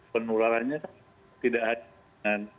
penularannya tidak hanya